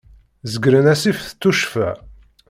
Zeggren assif s tuccfa.